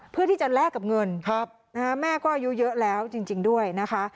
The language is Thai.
เพื่อที่จะแลกกับเงินแม่ก็อายุเยอะแล้วจริงด้วยนะคะ